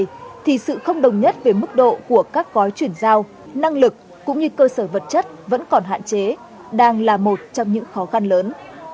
trong thời gian này thì sự không đồng nhất về mức độ của các gói chuyển giao năng lực cũng như cơ sở vật chất vẫn còn hạn chế đang là một trong những khó khăn lớn